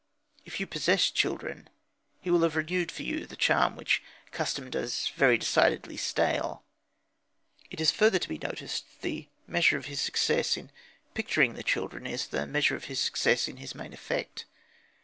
If you possess children, he will have renewed for you the charm which custom does very decidedly stale. It is further to be noticed that the measure of his success in picturing the children is the measure of his success in his main effect.